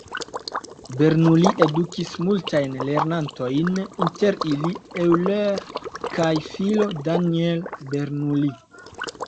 Bernoulli edukis multajn lernantojn, inter ili Euler kaj filo Daniel Bernoulli.